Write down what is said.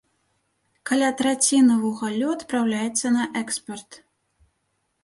Каля траціны вугалю адпраўляецца на экспарт.